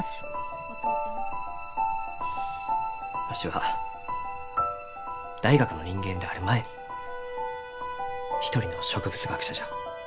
わしは大学の人間である前に一人の植物学者じゃ。